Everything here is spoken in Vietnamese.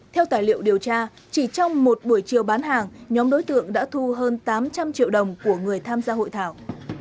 theo tài liệu điều tra chỉ trong một buổi chiều bán hàng nhóm đối tượng đã thu hơn tám trăm linh triệu đồng của người tham gia hội thảo